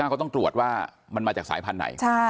เขาต้องตรวจว่ามันมาจากสายพันธุ์ไหน